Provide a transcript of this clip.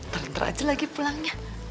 ternyata aja lagi pulangnya